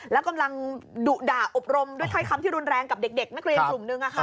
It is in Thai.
แล้วกำลังดุด่าอบรมด้วยถ้อยคำที่รุนแรงกับเด็กนักเรียนกลุ่มนึง